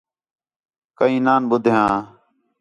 کئیں نان ٻدھیان